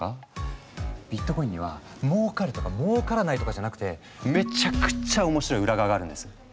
ビットコインにはもうかるとかもうからないとかじゃなくてめちゃくちゃ面白い裏側があるんです。